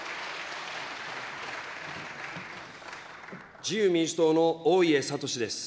自由民主党の大家敏志です。